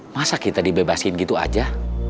masa kita dibebasin gitu aja